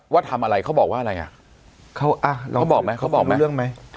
ว่าทำอะไรเขาบอกว่าอะไรอ่ะเขาอ่ะแล้วเขาบอกไหมเขาบอกไหมเรื่องไหม